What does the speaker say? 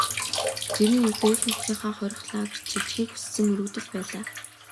Тэр нь ердөө эх нутгийнхаа хорих лагерьт шилжихийг хүссэн өргөдөл байлаа.